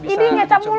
ini ngecap mulu ya